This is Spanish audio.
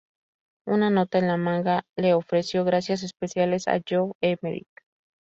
Una nota en la manga le ofreció "gracias especiales" a Geoff Emerick.